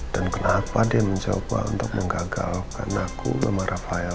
dan kenapa dia mencoba untuk mengagalkan aku sama rafael